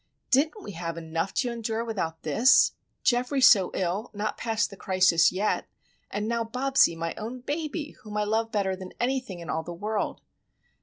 Didn't we have enough to endure without this? Geoffrey so ill,—not past the crisis yet,—and now Bobsie, my own baby, whom I love better than anything in all the world!